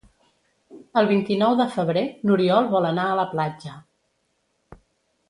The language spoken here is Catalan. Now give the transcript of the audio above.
El vint-i-nou de febrer n'Oriol vol anar a la platja.